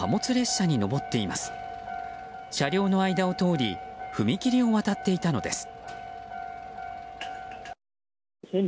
車両の間を通り踏切を渡っていたのです。